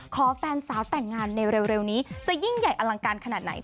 แฟนสาวแต่งงานในเร็วนี้จะยิ่งใหญ่อลังการขนาดไหน